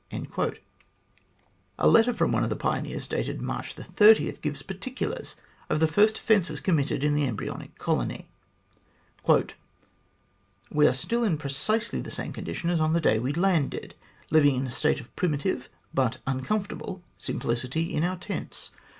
A letter from one of the pioneers, dated March 30, gives particulars of the first offences committed in the embryonic colony :" We are still in precisely the same condition as on the day we landed, living in a state of primitive, but uncomfortable, simplicity in our tents.